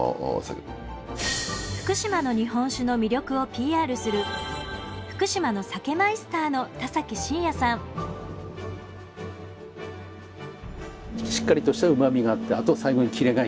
福島の日本酒の魅力をＰＲするしっかりとしたうま味があってあとは最後にキレがいい。